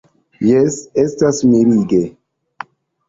Jes, estas mirige.